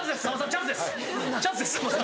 チャンスです！